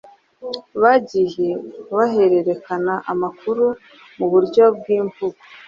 bagiye harerekana amakuru mu buryo bw’imvugo.